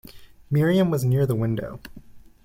Miriam was near the window.